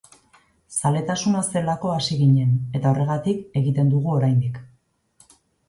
Zaletasuna zelako hasi ginen, eta horregatik egiten dugu oraindik.